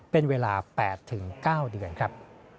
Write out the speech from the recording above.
เป็นเวลา๘๙เดือนครับ